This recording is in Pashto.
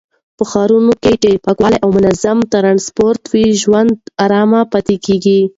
په ښارونو کې چې پاکوالی او منظم ټرانسپورټ وي، ژوند آرام پاتې کېږي.